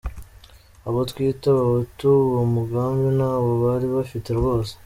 Abo twita Abahutu, uwo mugambi ntawo bari bafite rwose.